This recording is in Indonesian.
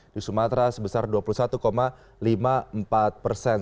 di sumatera sebesar dua puluh satu lima puluh empat persen